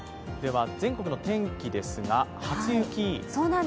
全国の天気ですが、初雪。